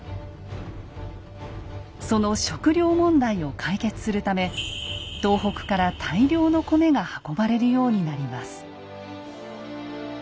その食料問題を解決するため東北から大量の米が運ばれるようになります。